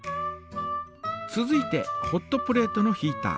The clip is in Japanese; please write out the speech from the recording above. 続いてホットプレートのヒータ。